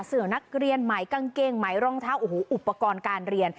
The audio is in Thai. เสื้อนักเรียนไหมเกล็งไหมรองเท้าอุปกรณ์การเรียน